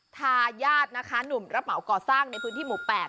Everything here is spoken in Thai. ธาญาตินะหลบเหมาก่อสร้างในพื้นที่หมู่แปด